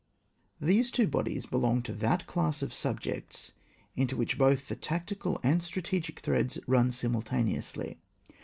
These two bodies belong to that class of subjects into which both the tactical and strategic threads run simultaneously.